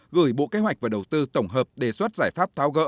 gửi bộ kế hoạch và đầu tư tổng hợp đề xuất giải pháp tháo gỡ